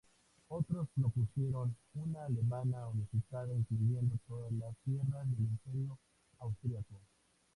Otros propusieron una Alemania unificada incluyendo todas las tierras del Imperio austríaco.